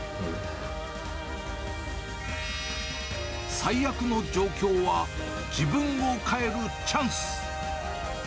最悪の状況は、自分を変えるチャンス。